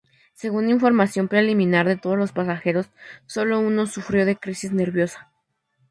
Según información preliminar de todos los pasajeros solo uno sufrió de crisis nerviosa.